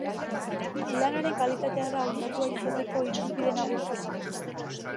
Lanaren kalitatea da hautatua izateko irizpide nagusia.